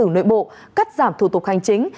nội bộ cắt giảm thủ tục hành chính